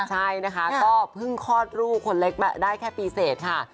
ใช่นะคะก็เพิ่งคลอดลูกคนเล็กมาได้แค่ปีเสร็จค่ะ